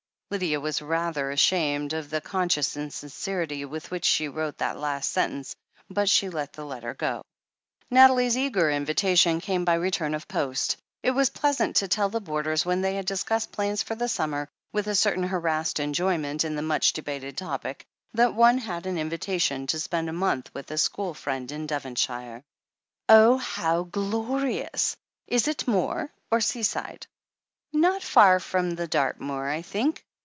Lydia was rather ashamed of the conscious insin cerity with which she wrote that last sentence, but she let the letter go. Nathalie's eager invitation came by return of post. It was pleasant to tell the boarders, when they dis cussed plans for the summer, with a certain harassed enjoyment in the much debated topic, that one had an invitation to spend a month with a school friend in Devonshire. THE HEEL OF ACHILLES 265 "( «1 'Oh, how glorious ! Is it moor, or seaside ?" 'Not far from Dartmoor, I think.